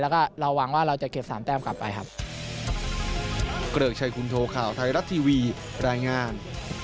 แล้วก็เราหวังว่าเราจะเก็บ๓แต้มกลับไปครับ